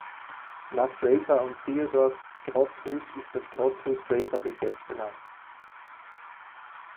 Nach Draper und Theodor Grotthuß ist das Grotthuss-Draper-Gesetz benannt.